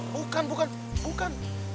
bukan bukan bukan